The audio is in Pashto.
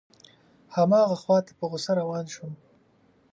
هماغه خواته په غوسه روان شوم.